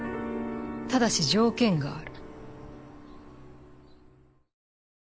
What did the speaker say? ただし条件がある。